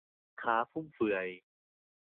สินค้าฟุ่มเฟือย